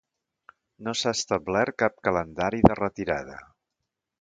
No s'ha establert cap calendari de retirada.